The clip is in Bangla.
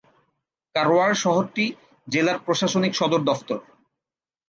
কারওয়াড় শহরটি জেলার প্রশাসনিক সদর দফতর।